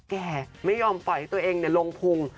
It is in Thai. แก่ไม่ยอมปล่อยให้ตัวเองลงพุง